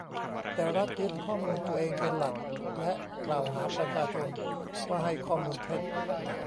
แต่รัฐยึดข้อมูลตัวเองเป็นหลักและกล่าวหาประชาชนว่าให้ข้อมูลเท็จ